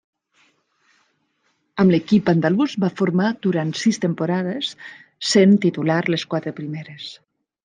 Amb l'equip andalús va formar durant sis temporades, sent titular les quatre primeres.